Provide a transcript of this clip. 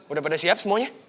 udah pada siap semuanya